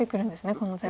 この手は。